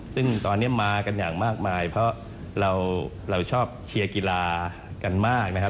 ซึ่งตอนนี้มากันอย่างมากมายเพราะเราชอบเชียร์กีฬากันมากนะครับ